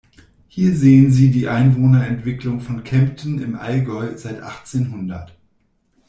Hier sehen Sie die Einwohnerentwicklung von Kempten im Allgäu seit achtzehnhundert.